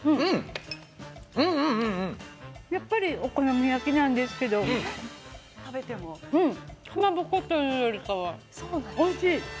やっぱりお好み焼きなんですけどかまぼこというよりかはおいしい。